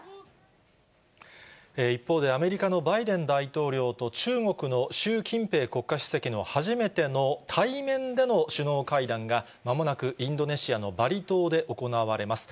一方で、アメリカのバイデン大統領と、中国の習近平国家主席の初めての対面での首脳会談が、まもなくインドネシアのバリ島で行われます。